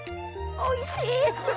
おいしい！